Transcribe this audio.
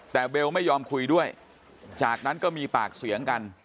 แต่เบลไม่ยอมคุยด้วยจากนั้นก็มีปากเสียงกัน